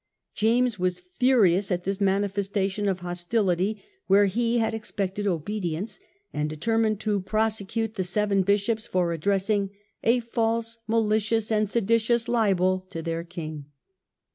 James was furious at this manifestation of hostility where he had expected obedience, and determined to prosecute the seven bishops for addressing " a false, malicious, and seditious libel " to their king.